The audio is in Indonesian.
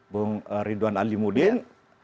bung ridwan ali mudin